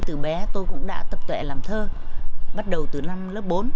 từ bé tôi cũng đã tập tuệ làm thơ bắt đầu từ năm lớp bốn